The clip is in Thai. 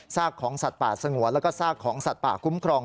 ของสัตว์ป่าสงวนแล้วก็ซากของสัตว์ป่าคุ้มครอง